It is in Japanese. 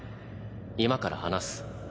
今から話す。